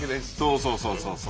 そうそうそうそう。